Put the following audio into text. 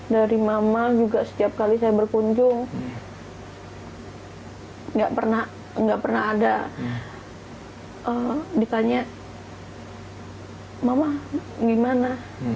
dari mama juga setiap kali saya berkunjung nggak pernah ada ditanya mama gimana